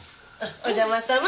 お邪魔さま。